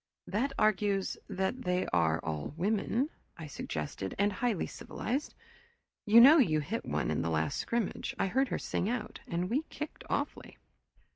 "That argues that they are all women," I suggested, "and highly civilized. You know you hit one in the last scrimmage I heard her sing out and we kicked awfully."